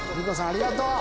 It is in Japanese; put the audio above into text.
ありがとう。